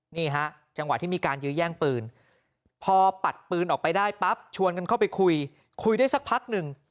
นี่ฮะจังหวะที่มีการยื้อแย่งปืนพอปัดปืนออกไปได้ปั๊บชวนกันเข้าไปคุยคุยได้สักพักหนึ่ง